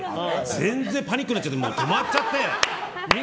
全然、パニックになっちゃって止まっちゃって。